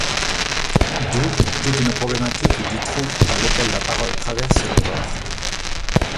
D'où, toute une problématique du trou par lequel la parole traverse le corps.